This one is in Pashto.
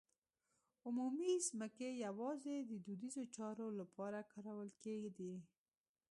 عمومي ځمکې یوازې د دودیزو چارو لپاره کارول کېدې.